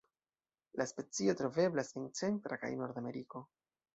La specio troveblas en Centra kaj Nordameriko.